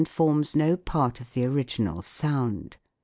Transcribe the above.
forms no part of the original sound.